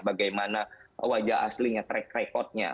bagaimana wajah aslinya track recordnya